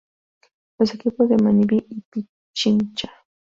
Los equipos de Manabí y Pichincha.